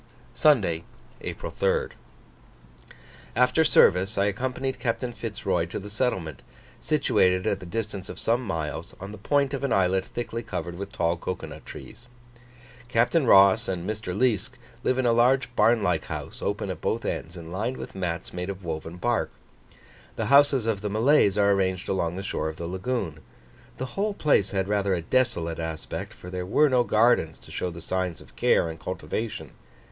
Sunday, April 3rd. After service I accompanied Captain Fitz Roy to the settlement, situated at the distance of some miles, on the point of an islet thickly covered with tall cocoa nut trees. Captain Ross and Mr. Liesk live in a large barn like house open at both ends, and lined with mats made of woven bark. The houses of the Malays are arranged along the shore of the lagoon. The whole place had rather a desolate aspect, for there were no gardens to show the signs of care and cultivation.